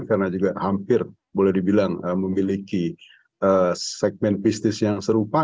karena juga hampir boleh dibilang memiliki segmen bisnis yang serupa